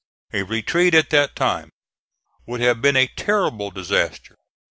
A retreat at that time would have been a terrible disaster.